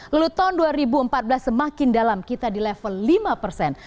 lalu tahun dua ribu empat belas semakin dalam kita di level lima persen